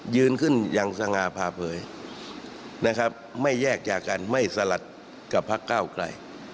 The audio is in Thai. ยืนขึ้นอย่างสง่าพาเผยนะครับไม่แยกจากกันไม่สลัดกับพักเก้าไกล